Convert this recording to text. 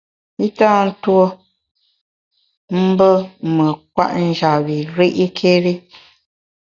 I tâ tuo mbù me kwet njap bi ri’kéri.